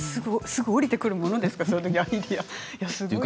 すぐ降りてくるものですかってなる。